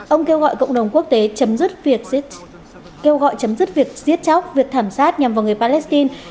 ông kêu gọi cộng đồng quốc tế chấm dứt việc giết chóc việc thảm sát nhằm vào người palestine